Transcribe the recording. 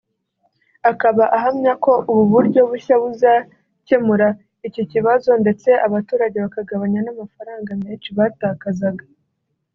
akaba ahamya ko ubu buryo bushya buzakemura iki kibazo ndetse abantu bakagabanya n’amafaranga menshi batakazaga